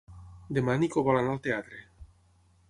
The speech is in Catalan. Demà en Nico vol anar al teatre.